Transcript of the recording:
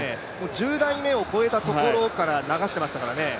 １０台目を越えたところから流していましたからね。